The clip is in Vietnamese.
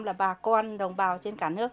là bà con đồng bào trên cả nước